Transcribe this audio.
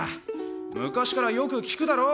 昔からよく聞くだろ？